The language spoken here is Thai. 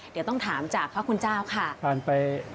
เดี๋ยวต้องถามจากพระคุณเจ้าค่ะ